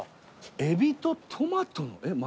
エビとトマトえっ丸々？